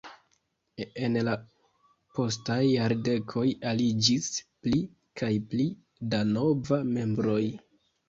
En la postaj jardekoj aliĝis pli kaj pli da novaj membroj.